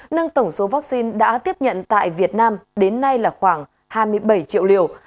nâng tổng số vaccine đã tiếp nhận tại việt nam đến nay là khoảng hai mươi bảy triệu liều